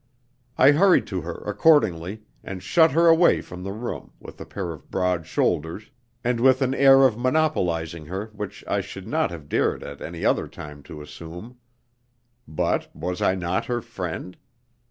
I hurried to her accordingly, and shut her away from the room, with a pair of broad shoulders, and with an air of monopolising her which I should not have dared at any other time to assume. But was I not her friend?